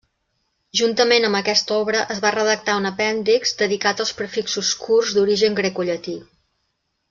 Juntament amb aquesta obra es va redactar un apèndix dedicat als prefixos curts d'origen grecollatí.